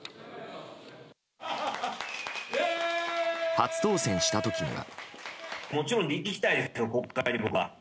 初当選した時には。